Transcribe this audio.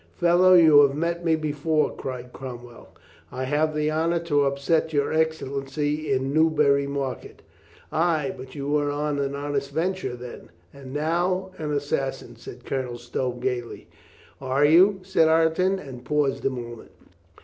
"Fellow, you have met me before," cried Crom well. "I had the honor to upset Your Excellency in Newbury market." "Ay, but you were on an honest venture then." "And now an assassin," said Colonel Stow gaily. "Are you?" said Ireton, and paused a moment.